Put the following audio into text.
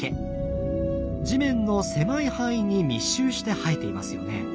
地面の狭い範囲に密集して生えていますよね。